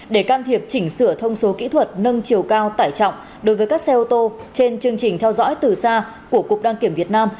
để can thiệp chỉnh sửa thông số kỹ thuật nâng chiều cao tải trọng đối với các xe ô tô trên chương trình theo dõi từ xa của cục đăng kiểm việt nam